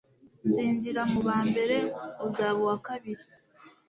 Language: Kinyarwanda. Nzinjira mubambere uzaba uwakabiri